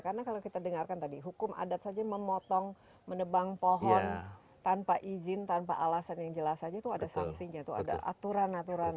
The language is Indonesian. karena kalau kita dengarkan tadi hukum adat saja memotong menebang pohon tanpa izin tanpa alasan yang jelas saja itu ada sanksinya itu ada aturan aturan